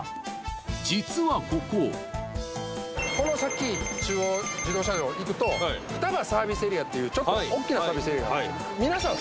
実はこここの先中央自動車道いくと双葉サービスエリアっていうちょっと大きなサービスエリアがあるんです